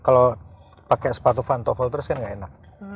kalau pakai sepatu fantofolder kan nggak enak